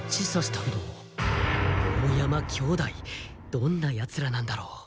どんなヤツらなんだろう？